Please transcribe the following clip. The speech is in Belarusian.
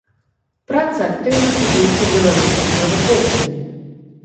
Праца актыўна цытуецца беларускімі навукоўцамі.